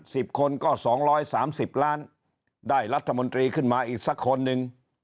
สิบคนก็สองร้อยสามสิบล้านได้รัฐมนตรีขึ้นมาอีกสักคนหนึ่ง